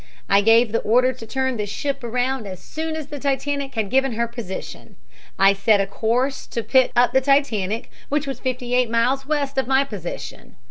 "I gave the order to turn the ship around as soon as the Titanic had given her position. I set a course to pick up the Titanic, which was fifty eight miles west of my position.